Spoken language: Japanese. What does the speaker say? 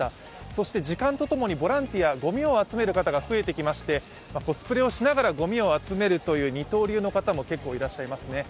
そして時間とともにボランティア、ごみを集める方が増えてきまして、コスプレをしながらゴミを集めるという二刀流の方も結構いらっしゃいますね。